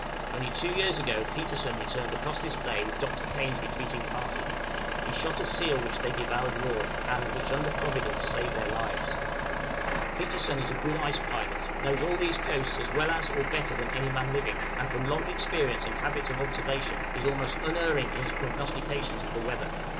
Only two years ago Petersen returned across this bay with Dr. Kane's retreating party; he shot a seal which they devoured raw, and which under Providence, saved their lives. Petersen is a good ice pilot, knows all these coasts as well as or better than any man living, and, from long experience and habits of observation, is almost unerring in his prognostications of the weather.